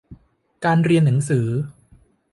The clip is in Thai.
การเรียนหนังสือ